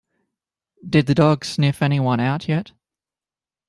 Did the dog sniff anyone out yet?